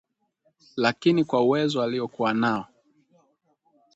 Lakini kwa uwezo alio kua nao